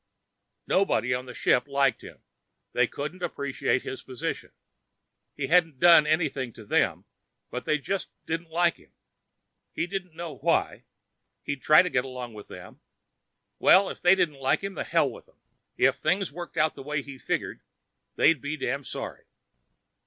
Nobody on the ship liked him; they couldn't appreciate his position. He hadn't done anything to them, but they just didn't like him. He didn't know why; he'd tried to get along with them. Well, if they didn't like him, the hell with them. If things worked out the way he figured, they'd be damned sorry.